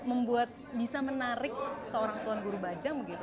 membuat bisa menarik seorang tuan guru bajang begitu